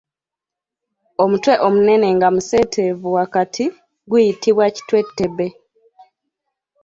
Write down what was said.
Omutwe omunene nga museeteevu wakati guyitibwa kitwe tebe.